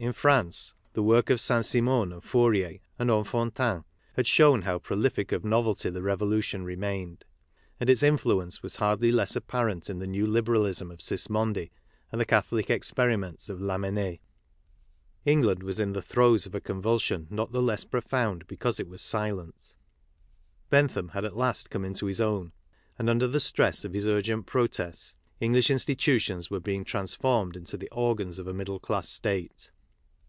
In France, the work of Saint Simon and Fourier and Enfantin had shown how prolific of novelty the revolu tion remained ; and its influence was hardly less apparent in the new liberalism of Sismondi and the Catholic experiments of Lamennais. England was in the throes of a convulsion not the less profound because it was silent. Bentham had at last come into his own; and, under the stress of his urgent protests English institu tions were being transformed into the organs of a middle class state.